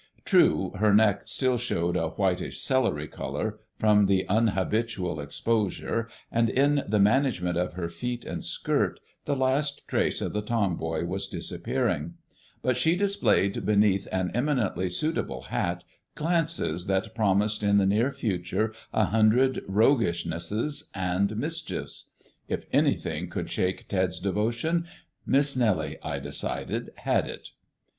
True, her neck still showed a whitish celery colour from the unhabitual exposure, and in the management of her feet and skirt the last trace of the tomboy was disappearing; but she displayed beneath an eminently suitable hat glances that promised in the near future a hundred roguishnesses and mischiefs. If anything could shake Ted's devotion, Miss Nellie, I decided, had it.